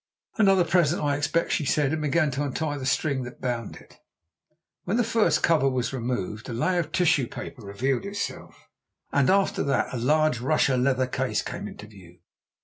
"Another present, I expect," she said, and began to untie the string that bound it. When the first cover was removed a layer of tissue paper revealed itself, and after that a large Russia leather case came into view.